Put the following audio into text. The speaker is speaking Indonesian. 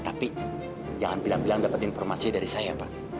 tapi jangan bilang bilang dapat informasi dari saya pak